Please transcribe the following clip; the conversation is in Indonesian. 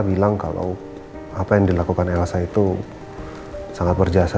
bilang kalau apa yang dilakukan elsa itu sangat berjasa